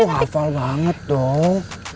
oh hafal banget dong